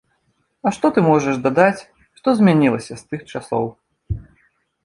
А ты што можаш дадаць, што змянілася з тых часоў?